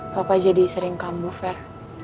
papa jadi sering kambuh fer